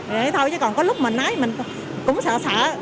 thế thôi chứ còn có lúc mà nói mình cũng sợ sợ